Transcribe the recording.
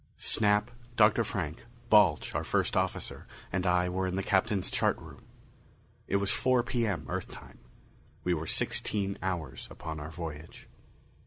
Snap, Dr. Frank, Balch, our first officer, and I were in the Captain's chart room. It was four P.M. Earth time. We were sixteen hours upon our voyage.